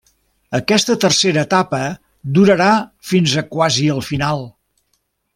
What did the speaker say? Aquesta tercera etapa durarà fins a quasi el final.